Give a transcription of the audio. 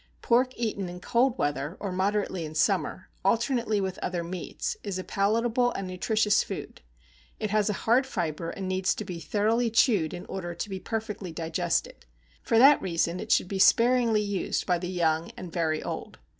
Pork eaten in cold weather, or moderately in summer, alternately with other meats, is a palatable and nutritious food. It has a hard fibre, and needs to be thoroughly chewed in order to be perfectly digested; for that reason it should be sparingly used by the young and the very old.